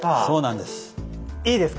そうなんです。